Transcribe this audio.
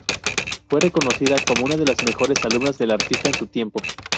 Fue reconocida como una de las mejores alumnas del artista en su tiempo.